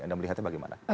anda melihatnya bagaimana